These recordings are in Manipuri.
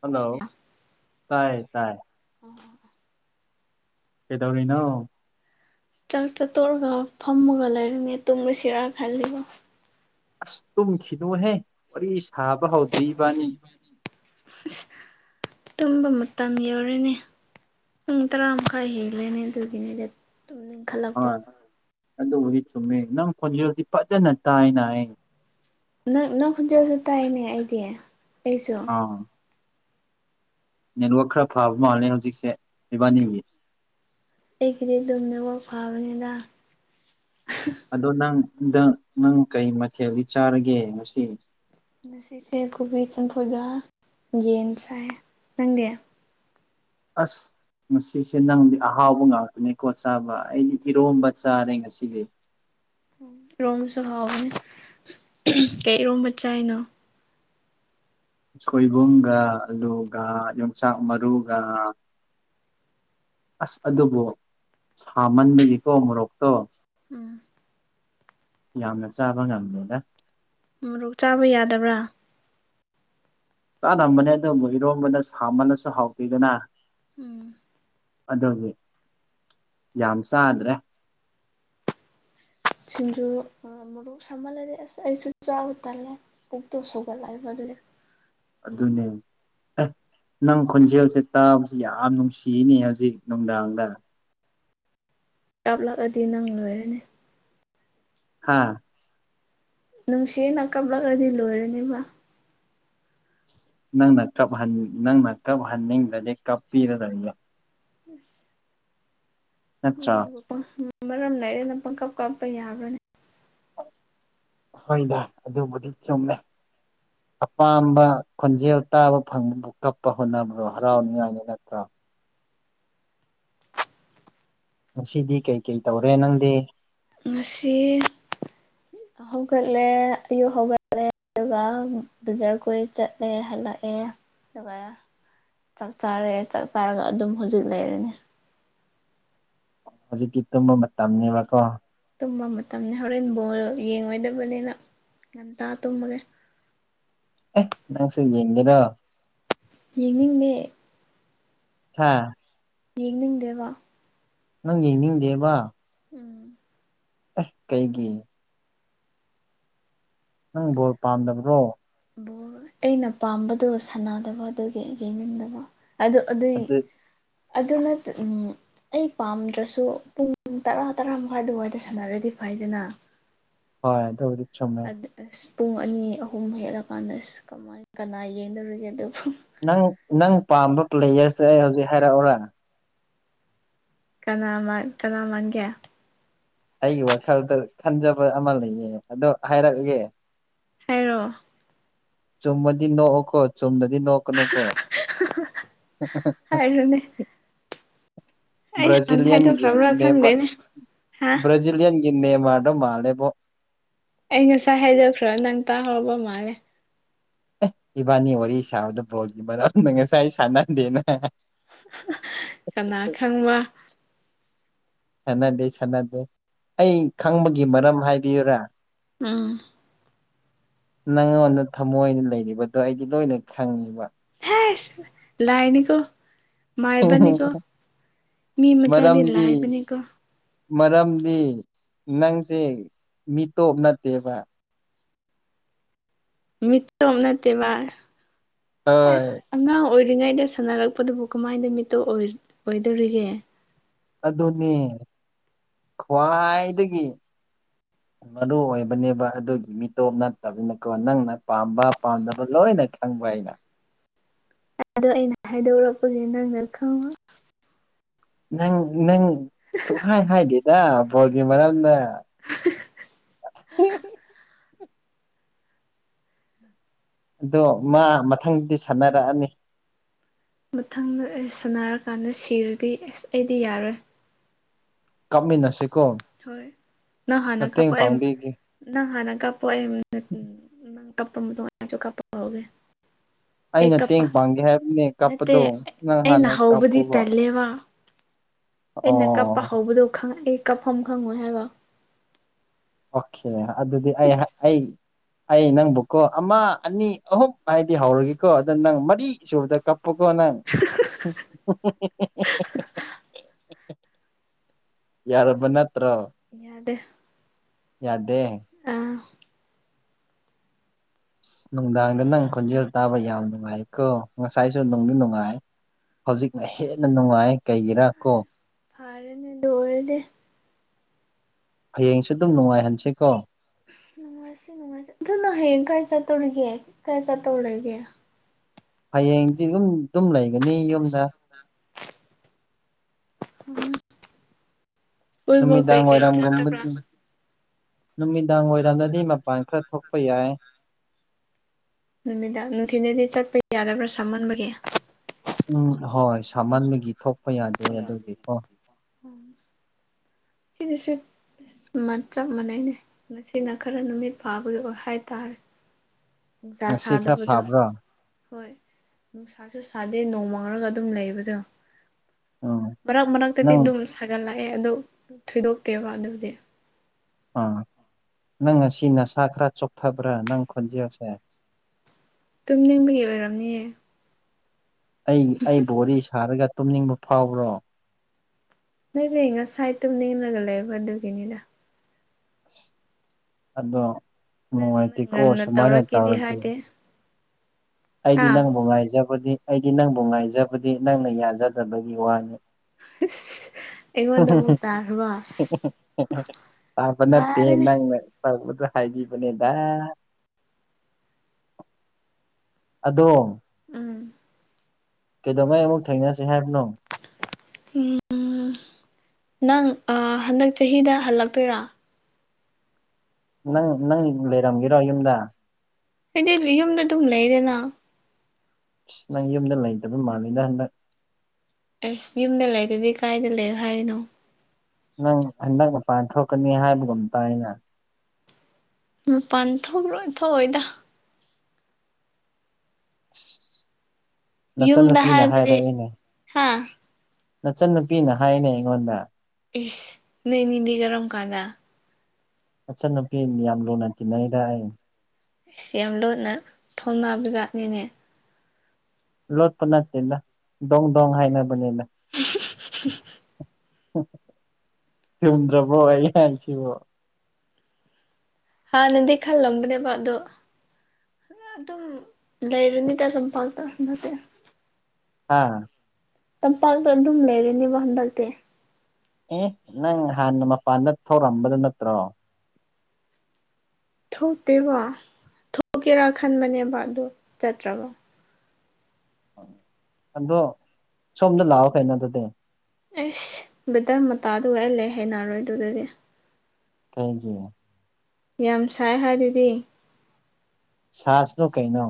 ꯍꯜꯂꯣ ꯇꯥꯏ ꯇꯥꯏ ꯀꯦꯗꯥꯧꯔꯤꯅꯣ ꯆꯥꯛ ꯆꯠꯇꯣꯛꯣꯔꯒ ꯐꯝꯃꯒ ꯂꯩꯔꯅꯦ ꯇꯨꯝꯔꯨꯁꯤꯔꯥ ꯈꯜꯂꯤꯕꯣ ꯑꯁ ꯇꯨꯝꯈꯤꯅꯨꯍꯦ ꯋꯥꯔꯤ ꯁꯥꯕ ꯍꯧꯗ꯭ꯔꯤꯕꯕꯥꯅꯤ ꯑꯁ ꯇꯨꯝꯕ ꯃꯇꯝ ꯌꯧꯎꯔꯅꯦ ꯄꯨꯡ ꯇꯔꯥ ꯃꯈꯥꯏ ꯍꯦꯜꯂꯦꯅꯦ ꯑꯗꯨꯒꯤꯅꯦꯗꯤ ꯑꯗꯨꯨꯝ ꯏꯈꯠꯂꯛꯄ ꯍꯣꯏ ꯑꯗꯨꯕꯨꯗꯤ ꯆꯨꯝꯃꯦ ꯅꯪ ꯈꯣꯟꯖꯦꯜꯁꯤ ꯐꯖꯅ ꯇꯥꯏꯅ ꯍꯥꯏ ꯅꯪ ꯅꯪ ꯈꯨꯟꯖꯦꯜꯁꯨ ꯇꯥꯏꯅꯦ ꯑꯩꯗꯤ ꯑꯩꯁꯨ ꯅꯦꯠꯋꯥꯛꯛ ꯈꯔ ꯐꯕ ꯃꯥꯜꯂꯦ ꯍꯧꯖꯤꯛꯁꯦ ꯏꯕꯥꯅꯤꯒꯤ ꯑꯩꯒꯤꯗꯤ ꯑꯗꯨꯨꯝꯗꯒ ꯐꯥꯕꯅꯤꯅ ꯑꯗꯣ ꯅꯪꯗ ꯅꯪ ꯀꯩ ꯃꯊꯦꯜꯗꯤ ꯆꯥꯔꯒꯦ ꯉꯁꯤ ꯉꯁꯤꯁꯦ ꯀꯣꯕꯤ ꯆꯝꯐꯨꯗ ꯌꯦꯟ ꯁꯥꯏ ꯅꯪꯗꯤꯦ ꯑꯁ ꯉꯁꯤꯁꯦ ꯅꯪꯗꯤ ꯑꯍꯥꯎꯕ ꯉꯥꯛꯇꯅꯦꯀꯣ ꯆꯥꯕ ꯑꯩꯗꯤ ꯏꯔꯣꯝꯕ ꯆꯥꯔꯦ ꯉꯁꯤꯗꯤ [inaudible] ꯏꯔꯣꯝꯕꯁꯨ ꯍꯥꯎꯋꯅꯦ ꯀꯩꯔꯣꯝꯕ ꯆꯥꯏꯅꯣ ꯁꯣꯏꯕꯨꯝꯒ ꯑꯂꯨꯒ ꯌꯣꯡꯆꯥꯛ ꯃꯔꯨꯒ ꯑꯁ ꯑꯗꯨꯕꯨ ꯁꯥꯃꯟꯕꯒꯤꯀꯣ ꯃꯣꯔꯣꯛꯇꯣ ꯎꯝ ꯌꯥꯝꯅ ꯆꯥꯕ ꯉꯝꯃꯦꯦꯗ ꯃꯣꯔꯣꯛ ꯆꯥꯕ ꯌꯥꯗꯕ꯭ꯔꯥ ꯆꯥꯝꯕꯅꯦ ꯑꯗꯨꯕꯨ ꯍꯔꯣꯝꯕꯅ ꯁꯥꯃꯅꯁꯨ ꯍꯥꯎꯇꯤꯗꯅ ꯎꯝ ꯑꯗꯨꯒꯤ ꯌꯥꯝ ꯆꯥꯗ꯭ꯔꯦ ꯁꯤꯁꯤꯡꯖꯨ ꯃꯣꯛ ꯁꯝꯃꯜꯂꯗꯤꯦ ꯑꯁ ꯑꯩꯁꯨ ꯆ ꯇꯜꯂꯦ ꯄꯨꯛꯇꯣ ꯁꯧꯒꯠꯂꯥꯛꯑꯕ ꯑꯗꯨꯗꯤ [inaudible] ꯑꯗꯨꯅꯦ ꯑꯦ ꯅꯪ ꯈꯣꯟꯖꯦꯜꯁꯦ ꯇꯥꯕꯁꯤ ꯌꯥꯝ ꯅꯨꯡꯁꯤꯅꯤ ꯍꯧꯖꯤꯛ ꯅꯨꯡꯗꯥꯡꯗ ꯀꯥꯞꯂꯛꯑꯗꯤ ꯅꯪ ꯂꯣꯏꯔꯅꯤ ꯍꯥꯥ ꯅꯨꯡꯁꯤ ꯅ ꯀꯕ ꯂꯒꯔꯗꯤꯜꯂꯨ ꯑꯣꯏꯔꯅꯤꯕ ꯅꯪꯅ ꯀꯞ ꯅꯪꯅ ꯀꯞ ꯍꯟꯅꯤꯡꯗꯗꯤ ꯀꯞ ꯄꯤꯔ ꯂꯩꯒ ꯑꯁ ꯅꯠꯇ꯭ꯔꯥ ꯃꯔꯝ ꯂꯩꯔꯩꯅ ꯄꯪꯀꯥꯞ ꯀꯥꯞꯄ ꯌꯥꯕ꯭ꯔꯅꯦ ꯍꯣꯏꯗ ꯑꯗꯨꯕꯨꯗꯤ ꯆꯨꯝꯃꯦ ꯑꯄꯥꯝꯕ ꯈꯣꯟꯖꯦꯜ ꯇꯥꯕ ꯐꯪꯕꯕꯨ ꯀꯞꯄ ꯍꯣꯠꯅꯕ꯭ꯔꯣ ꯍꯔꯥꯎꯅꯤꯉꯥꯏꯅꯤ ꯅꯠꯇ꯭ꯔꯣ ꯉꯁꯤꯗꯤ ꯀꯩꯀꯩ ꯇꯧꯔꯦ ꯅꯪꯗꯤ ꯉꯁꯤ ꯍꯧꯒꯠꯂꯦ ꯑꯌꯨꯛ ꯍꯧꯒꯠꯂꯂꯦ ꯑꯗꯨꯒ ꯕꯖꯥꯔ ꯀꯣꯏ ꯆꯠꯂꯦ ꯍꯜꯂꯛꯑꯦ ꯑꯗꯨꯒ ꯆꯥꯛ ꯆꯥꯔꯦ ꯆꯥꯛ ꯆꯥꯔꯒ ꯑꯗꯨꯝ ꯍꯧꯖꯤꯛ ꯂꯩꯔꯅꯦ ꯍꯧꯖꯤꯛꯇꯤ ꯇꯨꯝꯕ ꯃꯇꯝꯅꯤꯅꯦꯕꯀꯣ ꯇꯨꯝꯕ ꯃꯇꯝꯅꯤ ꯍꯣꯔꯦꯟ ꯕꯣꯜ ꯌꯦꯡꯉꯣꯏꯗꯕꯅꯤꯅ ꯉꯇ ꯇꯃꯒꯦ ꯅꯪ ꯁꯤꯦꯉꯦꯔꯣ ꯌꯦꯡꯅꯤꯡꯅꯦ ꯍꯥꯥ ꯌꯦꯅꯤꯗꯦ ꯋꯥ ꯅꯪ ꯌꯦ ꯅꯤꯡꯗꯦꯕ ꯎꯝ ꯀꯩꯒꯤ ꯅꯪ ꯣꯠ ꯄꯥꯝꯗꯕ꯭ꯔꯣ ꯕ ꯑꯩꯅ ꯄꯥꯝꯕꯗꯨ ꯁꯥꯟꯅꯗꯕ ꯑꯗꯨꯒꯤ ꯌꯦꯡꯅꯤꯡꯗꯕ ꯑꯗ ꯑꯗꯨꯗ ꯑꯗꯨ ꯑꯗꯨꯅ ꯑꯩ ꯄꯥꯝꯗ꯭ꯔꯁꯨ ꯄꯨꯡ ꯇꯔꯥ ꯇꯔꯥ ꯃꯈꯥꯏ ꯑꯗꯨꯋꯥꯏꯗ ꯁꯥꯟꯅꯔꯗꯤ ꯐꯥꯏꯗꯅ ꯍ ꯑꯗꯨ ꯍꯧꯗꯤ ꯑꯁ ꯄꯨꯡ ꯑꯅꯤ ꯑꯍꯨꯝ ꯍꯠꯂꯀꯥꯟꯗ ꯑꯁ ꯀꯃꯥꯏ ꯀꯅꯥ ꯌꯦꯡꯅꯔꯒꯦ ꯑꯗꯨꯣ ꯅꯪ ꯅꯪ ꯄꯥꯝꯕ ꯄ꯭ꯂꯦꯌꯔꯁꯁꯦ ꯑꯩ ꯍꯧꯖꯤꯛ ꯍꯥꯏꯔꯛꯎꯔ ꯀꯅꯥ ꯀꯅꯥ ꯃꯥꯟꯒꯦ ꯑꯩꯒꯤ ꯋꯥꯈꯜꯗ ꯈꯟꯖꯕ ꯑꯃ ꯂꯩꯌꯦ ꯑꯗꯣ ꯍꯥꯏꯔꯛꯑꯒꯦ ꯍꯥꯏꯔꯣ ꯆꯨꯝꯃꯗꯤ ꯅꯣꯛꯑꯣꯀꯣ ꯆꯨꯝꯅꯗꯤ ꯅꯣꯛꯀꯅꯨꯀꯣ ꯍꯥꯏꯔꯨꯅꯦ [unintelligible] ꯑꯩ ꯍꯥꯟꯅ ꯕ꯭ꯔꯥꯖꯤꯂꯤꯌꯟꯒꯤ ꯍꯥꯏꯗꯣꯛꯈ꯭ꯔꯕ꯭ꯔꯥ ꯈꯪꯗꯦꯅꯦ ꯍꯥ ꯅꯦꯃꯔ ꯅꯦꯃꯔꯗꯣ ꯃꯥꯂꯦꯕꯣ ꯑꯩ ꯉꯁꯥꯏ ꯍꯥꯏꯗꯣꯛꯈ꯭ꯔ ꯅꯪ ꯇꯥꯍꯧꯔꯕ ꯃꯥꯜꯂꯦ ꯏꯕꯥꯅꯤ ꯋꯥꯔꯤ ꯁꯥꯕꯗ ꯕꯣꯜꯒꯤ ꯃꯔꯝꯗ ꯉꯁꯥꯏ ꯑꯩ ꯁꯥꯟꯅꯗꯦꯅꯦ ꯀꯅꯥ ꯈꯪꯕ ꯁꯥꯟꯅꯗꯦ ꯁꯥꯟꯅꯗꯦ ꯑꯩ ꯈꯪꯕꯒꯤ ꯃꯔꯝ ꯍꯥꯏꯕꯤꯌꯨꯔꯥ ꯎꯝ ꯅꯪꯉꯣꯟꯗ ꯊꯃꯣꯏꯅ ꯂꯩꯔꯤꯕꯗꯣ ꯑꯩꯗꯤ ꯂꯣꯏꯅ ꯈꯪꯉꯦꯕ ꯂꯥꯏꯅꯤꯀꯣ ꯃꯥꯥꯏꯕꯅꯤꯀꯣ ꯃꯤ ꯃꯆꯥꯥꯗꯤ ꯃꯔꯝꯗꯤ ꯂꯥꯏꯕꯅꯤꯀꯣ꯫ ꯃꯔꯝꯗꯤ ꯅꯪꯁꯦ ꯃꯤꯇꯣꯞ ꯅꯠꯇꯦꯕ ꯃꯤꯠꯇꯣꯝ ꯅꯠꯇꯦꯕ ꯍꯣꯏ ꯑꯁ ꯑꯉꯥꯡ ꯑꯣꯏꯔꯤꯉꯩꯗ ꯁꯥꯟꯅꯔꯛꯄꯗꯨꯕꯨ ꯀꯃꯥꯏꯅ ꯃꯤꯠꯇꯣ ꯑꯣꯏ ꯑꯣꯢꯗꯣꯔꯤꯒꯦ ꯑꯗꯨꯅꯦ ꯈ꯭ꯋꯥꯏꯗꯒꯤ ꯃꯔꯨ ꯑꯣꯏꯕꯅꯦꯕ ꯑꯗꯨꯒꯤ ꯃꯤꯇꯣꯞ ꯅꯠꯇꯕꯅꯀꯣ ꯅꯪꯅ ꯄꯥꯝꯕ ꯄꯥꯝꯗꯕ ꯂꯣꯏ ꯅꯈꯪꯕ ꯑꯩꯅ ꯗꯣ ꯑꯩꯅ ꯍꯥꯏꯗꯣꯔꯛꯄꯒꯤ ꯅꯪꯅ ꯈꯪꯉꯣ ꯅꯪ ꯅꯪ ꯁꯨꯡꯍꯥꯏ ꯍꯥꯏꯗꯦꯗ ꯕꯣꯜꯒꯤ ꯃꯔꯝꯗ꯫ [unintelligible] ꯑꯗꯣ ꯃꯥ ꯃꯊꯪꯗꯤ ꯁꯥꯟꯅꯔꯛꯑꯅꯤ ꯃꯊꯪꯗ ꯁꯅꯔꯀꯥꯟꯗ ꯁꯤꯔꯗꯤ ꯑꯁ ꯑꯩꯗꯤ ꯌꯥꯔꯣꯏ ꯀꯥꯞꯃꯤꯟꯅꯁꯤꯀꯣ ꯍꯣꯏ ꯅꯪ ꯍꯥꯟꯅ ꯃꯇꯦꯡ ꯄꯥꯡꯕꯤꯒꯦ ꯍꯣꯏ ꯅꯪ ꯀꯞꯄ ꯃꯇꯨꯡ ꯑꯩꯁꯨ ꯀꯞꯄ ꯍꯧꯎꯒꯦ꯫ [inaudible] ꯑꯩꯅ ꯇꯦꯡ ꯄꯥꯡꯒꯦ ꯍꯥꯏꯕꯅꯤꯅꯦ ꯅꯠꯇꯦ ꯀꯞꯄꯗꯣ ꯅꯪ ꯑꯩꯅ ꯍꯥꯟꯅ ꯍꯧꯕꯗꯤ ꯀꯥꯞꯄꯣꯕ꯫ ꯇꯜꯂꯦꯕ ꯑꯩꯅ ꯀꯞꯄ ꯍꯧꯕꯗꯣ ꯑꯩ ꯀꯞꯐꯝ ꯈꯪꯉꯣꯏ ꯍꯥꯏꯕ ꯑꯣꯀꯦ ꯑꯗꯨꯗꯤ ꯑꯩ ꯑꯩ ꯑꯩ ꯅꯪꯕꯨꯀꯣ ꯑꯃ ꯑꯅꯤ ꯑꯍꯨꯝ ꯍꯥꯏꯗꯤ ꯍꯧꯔꯒꯦꯀꯣ ꯑꯗꯨ ꯅꯪ ꯃꯔꯤ ꯁꯨꯕꯗ ꯀꯞ ꯄꯨꯀꯣ ꯅꯪ ꯌꯥꯔꯕ ꯅꯠ ꯌꯥꯗꯦ ꯌꯥꯗꯦ ꯑꯥ ꯅꯨꯡꯗꯥꯡꯗ ꯅꯪ ꯈꯣꯟꯖꯦꯜ ꯇꯥꯕ ꯌꯥꯝ ꯅꯨꯡꯉꯥꯏ ꯀꯣ ꯉꯁꯥꯏꯁꯨ ꯅꯨꯡꯗꯤ ꯅꯨꯡꯉꯥꯏ ꯍꯧꯖꯤꯛꯅ ꯍꯦꯟꯅ ꯅꯨꯡꯉꯥꯏ ꯀꯩꯒꯤꯔꯥ ꯀꯣ ꯐꯥꯔꯦꯅꯦ ꯑꯗꯨ ꯑꯣꯢꯔꯗꯤ ꯍꯌꯦꯡꯁꯨ ꯑꯗꯨꯝ ꯅꯨꯡꯉꯥꯏꯍꯟꯁꯤꯀꯣ ꯅꯨꯡꯉꯥꯏꯁꯤ ꯅꯨꯡꯉꯥꯏꯁꯤ ꯑꯗꯨ ꯅꯪ ꯍꯌꯦꯡ ꯀꯥꯏ ꯆꯠꯇꯧꯔꯤꯒꯦ ꯀꯥꯏ ꯆꯠꯇꯧ ꯂꯩꯒꯦ ꯫ ꯍꯌꯦꯡꯗꯤ ꯑꯗꯨꯝ ꯑꯗꯨꯝ ꯂꯩꯒꯅꯤ ꯌꯨꯝꯗ ꯀꯣꯏꯕ ꯅꯨꯃꯤꯗꯥꯡ ꯀꯩ-ꯀꯩ ꯋꯥꯏꯔꯝꯒꯨꯝꯕ ꯆꯠꯇꯕ꯭ꯔꯥ꯫ ꯅꯨꯃꯤꯗꯥꯡ ꯋꯥꯏꯔꯝꯗꯗꯤ ꯃꯄꯥꯟ ꯈꯔ ꯊꯣꯛꯄ ꯌꯥꯏ ꯅꯨꯃꯤꯗꯥꯡ ꯅꯨꯡꯊꯤꯟꯗꯗꯤ ꯆꯠꯄ ꯌꯥꯗꯕ꯭ꯔꯥ ꯁꯥꯃꯟꯕꯒꯤ ꯎꯝ ꯍꯣꯏ ꯁꯥꯃꯟꯕꯒꯤ ꯊꯣꯛꯄ ꯌꯥꯗꯦ ꯑꯗꯨꯒꯤꯀꯣ ꯁꯤꯅꯁꯨ ꯃꯥꯟ ꯆꯞ ꯃꯥꯟꯅꯩꯅꯦ ꯉꯁꯤꯅ ꯈꯔ ꯅꯨꯃꯤꯠ ꯐꯥꯕꯒꯤ ꯑꯣꯏ ꯍꯥꯏꯇꯥꯔꯦ ꯅꯨꯡꯁꯥ ꯉꯁꯤ ꯈꯔ ꯁꯥꯗꯕꯨꯗꯨ ꯐꯕ꯭ꯔꯣ ꯍꯣꯏ ꯅꯨꯡꯁꯥꯁꯨ ꯁꯥꯗꯦ ꯅꯣꯡꯃꯪꯔꯒ ꯑꯗꯨꯝ ꯂꯩꯕꯗꯣ ꯎꯝ ꯫ ꯃꯔꯥꯛ ꯃꯔꯥꯛꯇꯗꯤ ꯅꯪ ꯑꯗꯨꯝ ꯁꯒꯠ ꯂꯛ ꯑꯦ ꯑꯗꯨ ꯊꯣꯏꯗꯣꯛꯇꯦꯕ ꯑꯗꯨꯗꯤ ꯑꯥ ꯅꯪ ꯉꯁꯤ ꯅꯁꯥ ꯈꯔ ꯆꯣꯛꯊꯕ꯭ꯔꯥ ꯅꯪ ꯈꯣꯟꯖꯦꯜꯁꯦ ꯇꯨꯝꯅꯤꯡꯕꯒꯤ ꯑꯣꯏꯔꯝꯅꯤꯌꯦ ꯑꯩ ꯑꯩ ꯕꯣ ꯋꯥꯔꯤ ꯁꯥꯔꯒ ꯇꯨꯝꯅꯤꯡꯕ ꯐꯥꯎꯕ꯭ꯔꯣ ꯅꯅꯦ ꯉꯁꯥꯏꯠꯇꯝ ꯅꯉꯒ ꯂꯩꯕ ꯑꯗꯨꯒꯤꯅꯤꯗ ꯑ ꯑꯗꯣ ꯅꯪ ꯅꯨꯡꯉꯥꯏꯇꯦꯀꯣ ꯉꯟꯅ ꯁꯨꯃꯥꯏꯅ ꯇꯧꯔꯛꯀꯦꯗꯤ ꯇꯥꯔꯗꯤ ꯍꯥꯏꯗꯦ ꯍꯥ ꯑꯩꯗꯤ ꯅꯪꯕꯨ ꯉꯥꯏꯖꯕꯗꯤ ꯑꯩꯗꯤ ꯅꯪꯕꯨ ꯉꯥꯏꯖꯕꯗꯤ ꯅꯪꯅ ꯌꯥꯖꯗꯕꯒꯤ ꯋꯥꯅꯤ ꯑꯩꯉꯣꯟꯗ ꯑꯃꯨꯛ ꯇꯥꯈ꯭ꯔꯕ [unintelligible] ꯑꯄ ꯅꯠꯇꯦ ꯐꯔꯦꯅꯦ ꯇꯕꯨꯁꯨ ꯍꯥꯏꯗꯤꯕꯅꯦꯗ ꯑꯗꯣ ꯎꯝ ꯀꯩꯗꯧꯉꯩ ꯑꯃꯨꯛ ꯊꯦꯡꯅꯁꯦ ꯍꯥꯏꯕꯅꯣ ꯎ ꯅꯪ ꯍꯟꯗꯛ ꯆꯍꯤꯗ ꯍꯜꯂꯛꯇꯣꯏꯔ ꯅꯪ ꯅꯪ ꯂꯩꯔꯝꯒꯦꯔꯣ ꯌꯨꯝꯗ ꯍꯥꯏꯗꯤ ꯌꯨꯝꯗ ꯑꯗꯨꯝ ꯂꯩꯗꯦꯅ ꯑꯁ ꯅꯪ ꯌꯨꯝꯗ ꯂꯩꯇꯕ ꯃꯥꯜꯂꯤꯗ ꯍꯟꯗ ꯑꯁ ꯌꯨꯝꯗ ꯂꯩꯗꯗꯤ ꯀꯥꯏꯗ ꯂꯩꯌꯣ ꯍꯥꯏꯔꯤꯅꯣ ꯅꯪ ꯅꯪ ꯃꯄꯥꯟ ꯊꯣꯛꯀꯅꯤ ꯍꯥꯏꯕꯒꯨꯝꯇ ꯑꯩꯅ ꯃꯄꯥꯟ ꯊꯣꯛꯔꯣꯏ ꯊꯣꯛꯑꯣꯏꯗ ꯑꯁ ꯌꯨꯝꯗ ꯅꯆꯟꯅꯨꯄꯤꯅ ꯍꯥꯏꯕꯗꯤ ꯍꯥꯏꯔꯛꯢꯅꯦ ꯍꯥ ꯅꯆꯟꯅ ꯅꯨꯄꯤꯅ ꯍꯥꯏꯅꯦ ꯑꯩꯉꯣꯟꯗ ꯏꯁ ꯅꯣꯏ ꯅꯤꯡꯗꯤ ꯀꯔꯝ ꯀꯥꯟꯗ ꯅꯆꯟ ꯅꯨꯄꯤ ꯌꯥꯝ ꯂꯨꯅ ꯇꯤꯟꯅꯩꯗ ꯑꯩ ꯑꯩꯁ ꯌꯥꯝ ꯂꯨꯅ ꯊꯧꯅꯥ ꯖꯥꯠꯅꯤꯅꯦ ꯂꯣꯠꯄꯅ ꯆꯅ ꯗꯣꯡ ꯗꯣꯡ ꯍꯥꯏꯅꯕꯅꯅ [unintelligible] ꯆꯨꯝꯗ꯭ꯔꯕꯣ ꯑꯩ ꯍꯁꯤꯕꯣ ꯍꯥ ꯅꯗꯤ ꯈ ꯂꯣꯒꯅꯦꯕꯗ ꯑꯗꯨꯝ ꯂꯩꯔꯨꯅꯤꯗ ꯑꯗꯨꯝ ꯄꯥꯡꯇ ꯅꯠꯇꯦ ꯑꯥ ꯇꯝꯄꯥꯛꯇ ꯑꯗꯨꯝ ꯂꯩꯔꯅꯦꯕ ꯍꯟꯗꯛꯇꯤ ꯑꯦ ꯅꯪ ꯍꯥꯟꯅ ꯃꯄꯥꯟꯗ ꯊꯧꯔꯝꯕꯗ ꯅꯠꯇ꯭ꯔꯣ ꯊꯣꯛꯇꯦꯕ ꯊꯣꯛꯀꯦꯔꯥ ꯈꯟꯕꯅꯦꯕ ꯑꯗꯨ ꯆꯠꯇ꯭ꯔꯕꯣ ꯑꯗꯣ ꯁꯣꯝꯗ ꯂꯥꯛꯑꯣ ꯀꯩꯅꯣ ꯑꯗꯨꯗꯤ ꯑꯦꯁ ꯕꯦꯇꯔ ꯃꯇꯥꯗꯨꯒ ꯑꯩ ꯂꯩ ꯍꯅꯔꯣꯏ ꯑꯗꯨꯗꯗꯤ ꯀꯩꯖ ꯌꯥꯝ ꯁꯥꯏ ꯍꯥꯏ ꯑꯗꯨꯗꯤ ꯁꯥꯁꯅꯣ ꯀꯩꯅꯣ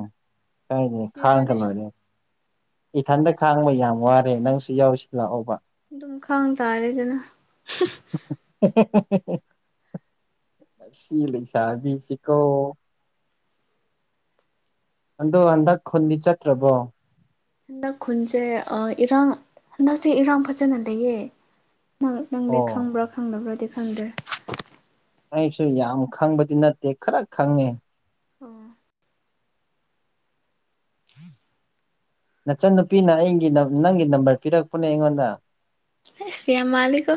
ꯀꯥꯏꯗ ꯈꯥꯡꯒ ꯌꯥꯔꯦ ꯂꯣꯏꯔꯦ ꯏꯊꯟꯇ ꯈꯥꯡꯕ ꯌꯥꯝ ꯋꯥꯔꯦ ꯅꯪꯁꯨ ꯌꯥꯎꯔꯤꯁꯤ ꯂꯥꯛꯑꯣꯕ ꯝ ꯈꯥꯡ ꯇꯔꯦꯗꯅ ꯂꯩꯁꯥꯕꯤ ꯁꯤꯤꯀꯣ ꯑꯗꯣ ꯍꯟꯗꯛ ꯈꯨꯟꯗꯤ ꯆꯠꯇ꯭ꯔꯕꯣ ꯍꯟꯗꯛ ꯈꯨꯟꯁꯦ ꯏꯔꯥꯡ ꯍꯟꯗꯛꯁꯦ ꯏꯔꯥꯡ ꯐꯖꯅ ꯂꯩꯌꯦ ꯪ ꯅꯪꯗꯤ ꯑꯣ ꯈꯪꯕ꯭ꯔꯥ ꯈꯪꯗꯕ꯭ꯔꯥꯗꯤ ꯈꯪꯗ꯭ꯔꯦ ꯑꯩꯁꯨ ꯌꯥꯝ ꯈꯪꯕꯗꯤ ꯅꯠꯇꯦ ꯈꯔ ꯈꯪꯉꯦ ꯑꯣ ꯅꯆꯟꯅꯨꯄꯤꯅ ꯑꯩꯒꯤ ꯅꯪꯒꯤ ꯅꯝꯕꯔ ꯄꯤꯔꯛꯄꯅꯦ ꯑꯩꯉꯣꯟꯗ ꯑꯩꯁ ꯌꯥꯝ ꯃꯥꯜꯂꯤꯀꯣ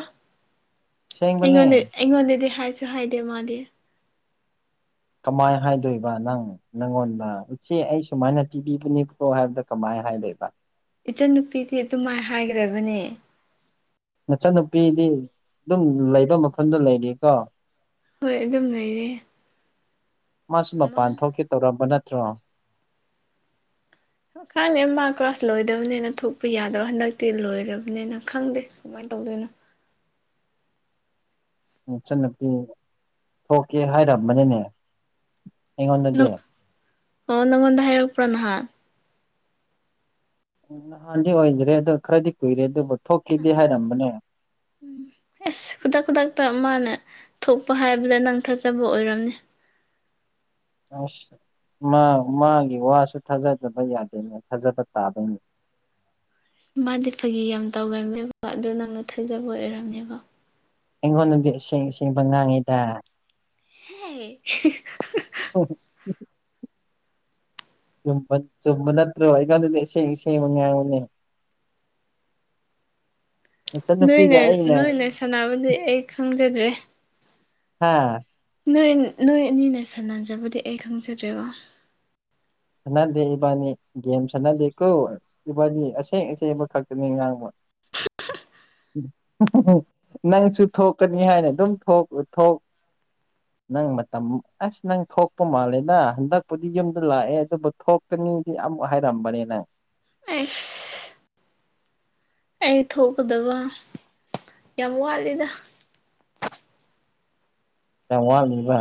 ꯑꯩꯉꯣꯟꯗ ꯁꯦꯡꯕꯅꯦ ꯑꯩꯉꯣꯟꯗꯗꯤ ꯍꯥꯏꯁ ꯍꯤꯗꯦ ꯃꯥꯜꯂꯤꯦ ꯀꯃꯥꯏ ꯍꯥꯏꯗꯣꯏꯕ ꯅꯪ ꯅꯪꯉꯣꯟꯗ ꯎꯆꯦ ꯑꯩ ꯁꯨꯃꯥꯏꯅ ꯄꯤꯕꯤꯕꯅꯤꯣ ꯍꯥꯏꯕꯗ ꯀꯃꯥꯏ ꯍꯥꯏ ꯂꯩꯕ ꯏꯆꯟꯅꯨꯄꯤꯗꯤ ꯑꯗꯨꯝꯃꯥꯏ ꯍꯥꯏꯈ꯭ꯔꯕꯅꯦ ꯃꯆꯟꯅꯨꯄꯤꯗꯤ ꯑꯗꯨꯝ ꯂꯩꯕ ꯃꯐꯝꯗꯨ ꯂꯩꯔꯤꯀꯣ ꯍꯣꯏ ꯑꯗꯨꯝ ꯂꯩꯔꯦ ꯃꯥꯁꯨ ꯃꯥ ꯃꯄꯥꯟ ꯊꯣꯛꯀꯦ ꯇꯧꯔꯝꯕ ꯅꯠꯇ꯭ꯔꯣ ꯈꯪꯉꯦ ꯃꯥ ꯀ꯭ꯂꯥꯁ ꯂꯣꯏꯗꯕꯅꯤꯅ ꯊꯣꯛꯄ ꯌꯥꯗꯕ ꯍꯟꯗꯛꯇꯤ ꯂꯣꯏꯔꯕꯅꯤꯅ ꯈꯪꯗꯦ ꯐ ꯇꯧꯗꯅ [unintelligible] ꯁꯟꯅꯄꯤ ꯊꯣꯛꯀꯦ ꯍꯥꯏꯔꯝꯕꯅꯤꯅꯦ ꯑꯩꯣꯗꯗꯦ ꯅꯪ ꯑꯣ ꯅꯪꯉꯣꯟꯗ ꯍꯥꯏꯔꯛꯄ꯭ꯔꯣ ꯅꯍꯥꯟ ꯎ ꯍꯥꯟꯗꯤ ꯑꯣꯏꯗ꯭ꯔꯦ ꯑꯗꯨ ꯈꯔꯗꯤ ꯀꯨꯏꯔꯦ ꯑꯗꯨ ꯎ ꯑꯦꯁ ꯈꯨꯗꯥꯛ ꯈꯨꯗꯥꯛꯇ ꯃꯥꯅ ꯊꯣꯛꯄ ꯍꯥꯏꯕꯗ ꯅꯪ ꯊꯠꯆꯕ ꯑꯣꯏꯔꯝꯅꯤ ꯑꯁ ꯃꯥ ꯃꯥꯒꯤ ꯋꯥꯁꯨ ꯊꯥꯖꯗꯕ ꯌꯥꯗꯦꯅꯦ ꯊꯥꯖꯕ ꯇꯥꯕꯩꯅꯦ [unintelligible] ꯃꯥꯗꯤ ꯐꯥꯒꯤ ꯌꯥꯝ ꯇꯧꯒꯃꯦꯕ ꯑꯗꯨ ꯅꯪꯅ ꯊꯩꯖꯕ ꯑꯣꯏꯔꯝꯅꯦꯕ ꯑꯩꯉꯣꯟ ꯅꯨꯁꯤꯡꯕ ꯉꯥꯡꯉꯤꯗ ꯍꯦ ꯍ ꯍꯣ ꯎ ꯆꯨꯝ ꯆꯨꯝꯕꯗꯠꯇ ꯋꯥꯏꯀꯁꯁ ꯃ ꯉꯅꯦ [unintelligible] ꯅꯣꯏꯅ ꯅꯣꯏꯅ ꯁꯥꯟꯅꯕꯗꯤ ꯑꯩ ꯈꯪꯖꯗ꯭ꯔꯦ ꯍꯥꯥ ꯅꯣꯏ ꯅꯣꯏ ꯑꯅꯤꯅ ꯁꯥꯟꯅꯖꯕꯗꯤ ꯑꯩ ꯈꯪꯖꯗ꯭ꯦꯀꯣ ꯁꯥꯟꯅꯗꯦ ꯏꯕꯥꯅꯤ ꯒꯦꯝ ꯁꯥꯟꯅꯗꯦ ꯀꯣ ꯏꯕꯥꯅꯤ ꯑꯁꯦꯡ ꯑꯁꯦꯡꯕ ꯈꯛꯇꯅꯤ ꯉꯥꯡꯕ ꯅꯪꯁꯨ ꯊꯣꯛꯀꯅꯤ ꯍꯥꯏꯅ ꯑꯗꯨꯝ ꯊꯣꯛ ꯅꯪ ꯃꯇꯝ ꯑꯁ ꯅꯪ ꯊꯣꯛꯄ ꯃꯥꯜꯂꯦꯅ ꯍꯟꯗꯛꯄꯨꯗꯤ ꯌꯨꯝꯗ ꯂꯥꯛꯑꯦ ꯑꯗꯨꯕꯨ ꯊꯣꯛꯀꯅꯤꯗꯤ ꯑꯃꯨꯛ ꯍꯥꯏꯔꯝꯕꯅꯤꯅꯦ ꯑꯁ ꯑꯩ ꯊꯣꯛꯀꯗꯕ ꯌꯥꯝ ꯋꯥꯠꯂꯤꯦꯗ ꯌꯥꯝ ꯋꯥꯅꯤꯕ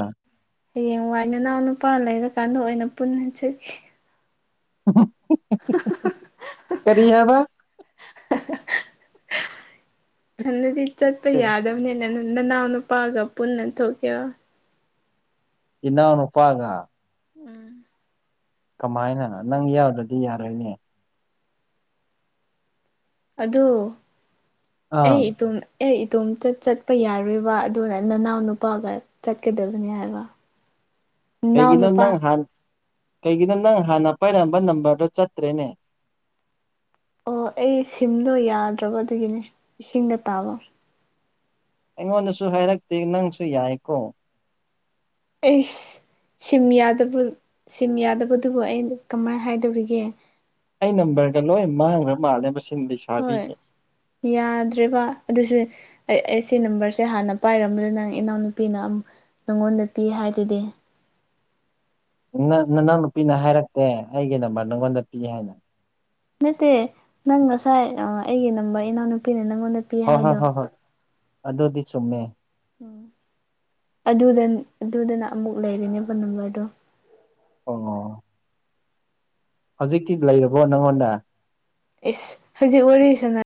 ꯍꯌꯦꯡꯋꯥꯏ ꯅꯅꯥꯎ ꯅꯨꯄꯥ ꯂꯩꯔꯀꯥꯟꯗ ꯑꯣꯏꯅ ꯄꯨꯟꯅ ꯆꯠꯈꯤ ꯀꯔꯤ ꯍꯥꯏꯕ ꯊꯗꯗꯤ ꯆꯠꯄ ꯌꯥꯗꯕꯅꯦ ꯅꯅ ꯅꯥꯎꯅꯄꯥꯒ ꯄꯨꯟꯅꯟ ꯊꯣꯛ ꯀꯦ ꯏꯟꯅꯅ ꯎꯄꯥꯥꯒ ꯎꯝ ꯀꯃꯥꯏꯅ ꯅꯪ ꯌꯥꯎꯗꯗꯤ ꯌꯥꯔꯣꯏꯅꯦ ꯑꯗꯨ ꯑꯥ ꯑꯩ ꯏꯇꯣ ꯑꯦ ꯏꯇꯣꯝꯇ ꯆꯠꯄ ꯌꯥꯔꯣꯏꯕ ꯑꯗꯨꯒ ꯅꯅꯥꯎ ꯅꯨꯄꯥꯒ ꯆꯠꯀꯗꯕꯅꯤ ꯍꯥꯏꯕ ꯀꯩ ꯅꯅꯥꯎ ꯀꯅ ꯅ ꯅꯨꯄꯥ ꯍꯥꯟ ꯀꯩꯒꯤꯅꯣ ꯅꯪ ꯍꯥꯟꯅ ꯄꯥꯏꯔꯝꯕ ꯅꯝꯕꯔꯗꯣ ꯆꯠꯇ꯭ꯔꯦꯅꯦ ꯑꯣ ꯑꯩ ꯁꯤꯝꯗꯣ ꯌꯥꯗ꯭ꯔꯕ ꯑꯗꯨꯒꯤꯅꯦ ꯏꯁꯤꯡꯗ ꯇꯥꯕ ꯑꯩꯉꯣꯟꯗꯁꯨ ꯍꯥꯏꯔꯛꯇꯦ ꯅꯪꯁꯨ ꯌꯥꯏꯀꯣ ꯑꯦꯁ ꯁꯤꯝ ꯌꯥꯗꯕ ꯁꯤꯝ ꯌꯥꯗꯕꯗꯨꯕꯨ ꯑꯩ ꯀꯃꯥꯏꯅ ꯍꯥꯏꯗꯧꯔꯤꯒꯦ ꯑꯩ ꯅꯝꯕꯔꯒ ꯂꯣꯏ ꯃꯥꯡꯈ꯭ꯔ ꯃꯥꯜꯂꯦ ꯃꯁꯤ ꯍꯣꯏ ꯌꯥꯗ꯭ꯔꯦꯕ ꯑꯗꯨꯁꯨ ꯑꯩ ꯑꯩ ꯁꯤ ꯅꯝꯕꯔꯁꯦ ꯍꯥꯟꯅ ꯄꯥꯏꯔꯝꯝꯕꯅꯤ ꯅꯪ ꯏꯅꯥꯎꯅꯨꯄꯤꯅꯛ ꯅꯪꯉꯣꯟꯗ ꯄꯤ ꯍꯥꯏꯗꯨꯗꯤ ꯅ ꯅꯅꯥꯎ ꯅꯨꯄꯤꯅ ꯍꯥꯏꯔꯛꯇꯦ ꯑꯩꯒꯤ ꯅꯝꯕꯔ ꯅꯪꯉꯣꯟꯗ ꯄꯤ ꯍꯥꯏꯅ ꯅꯠꯇꯦ ꯅꯪ ꯉꯁꯥꯏ ꯑꯩꯒꯤ ꯅꯝꯕꯔ ꯏꯅꯥꯎꯅꯨꯄꯤꯅ ꯅꯪꯉꯣꯟꯗ ꯄꯤ ꯍꯣꯏ ꯍꯣꯏ ꯍꯥꯏꯗꯣ ꯍꯣꯏ ꯍꯣꯏ ꯑꯗꯨꯗꯤ ꯆꯨꯝꯃꯦ ꯎ ꯑꯗꯨꯗ ꯑꯗꯨꯗꯅ ꯑꯃꯨꯛ ꯂꯩꯔꯤꯅꯦꯕ ꯅꯝꯕꯔꯗꯣ ꯑꯣ ꯍꯧꯖꯤꯛꯇꯤ ꯂꯩꯔꯕꯣ ꯅꯪꯉꯣꯟꯗ ꯑꯦ ꯍꯧꯖꯤꯛ ꯑꯣꯏꯁꯅ